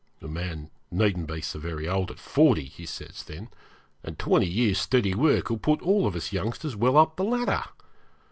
'A man needn't be so very old at forty,' he says then, 'and twenty years' steady work will put all of us youngsters well up the ladder.